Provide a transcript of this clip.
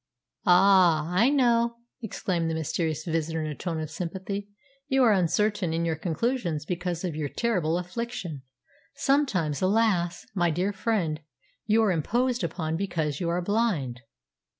"Ah, I know!" exclaimed the mysterious visitor in a tone of sympathy. "You are uncertain in your conclusions because of your terrible affliction. Sometimes, alas! my dear friend, you are imposed upon, because you are blind."